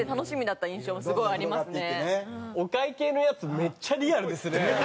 お会計のやつめっちゃリアルですね。